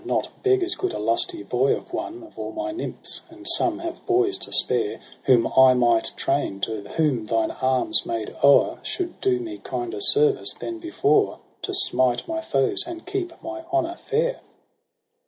Not beg as good a lusty boy of one Of all my nymphs, — and some have boys, to spare, — Whom I might train, to whom thine arms made o'er Should do me kinder service than before, To smite my foes and keep my honour fair